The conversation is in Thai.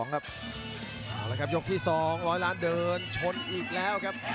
ครับเอาละครับยกที่สองรอยล้านเดินชนอีกแล้วครับ